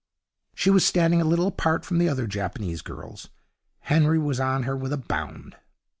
She was standing a little apart from the other Japanese girls. Henry was on her with a bound.